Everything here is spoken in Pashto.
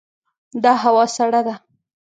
دا هوا سړه ده.